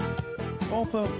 オープン。